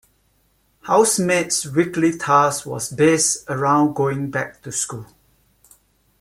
Housemates weekly task was based around going back to school.